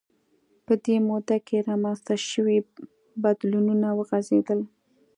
په دې موده کې رامنځته شوي بدلونونه وغځېدل